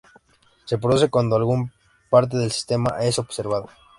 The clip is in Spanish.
Se produce cuando alguna parte del sistema es observada.